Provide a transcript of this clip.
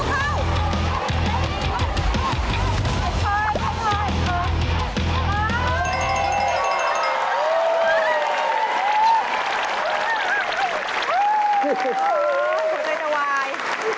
โอ้โฮสวยใจจะวาย